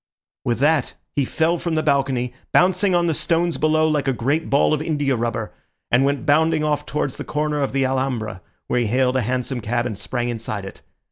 With that he fell from the balcony, bouncing on the stones below like a great ball of india rubber, and went bounding off towards the corner of the Alhambra, where he hailed a hansom cab and sprang inside it.